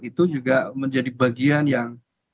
itu juga menjadi bagian yang